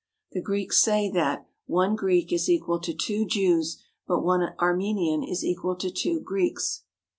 " The Greeks say that "one Greek is equal to two Jews, but one Armenian is equal to two Greeks."